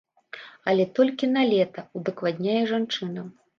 Але толькі на лета, удакладняе жанчына.